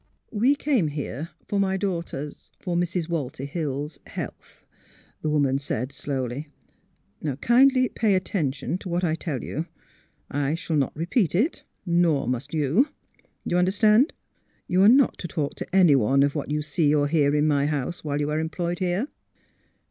" We came here for my daughter's — for Mrs. Walter Hill's health," the woman said, slowly. *'— Kindly pay attention to what I tell you. — I shall not repeat it — nor must you. Do you under stand f You are not to talk to anyone of what you see or hear in my house, while you are employed here."